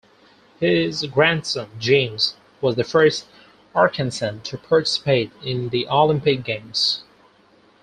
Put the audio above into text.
His grandson, James, was the first Arkansan to participate in the Olympic Games.